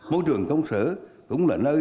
môi trường công sở cũng là nơi